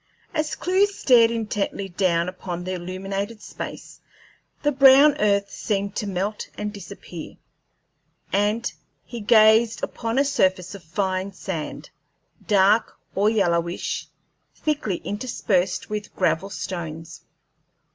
As Clewe stared intently down upon the illuminated space, the brown earth seemed to melt and disappear, and he gazed upon a surface of fine sand, dark or yellowish, thickly interspersed with gravel stones.